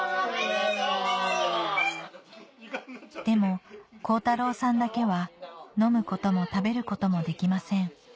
でも恒太朗さんだけは飲むことも食べることもできません